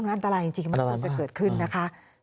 อันตรายจริงมันควรจะเกิดขึ้นนะคะ